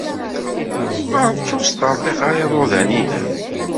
Beṛka ur sṭerḍiq ara iḍudan-nnem.